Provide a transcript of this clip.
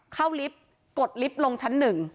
เข้าลิฟท์กดลิฟท์ลงชั้นหนึ่ง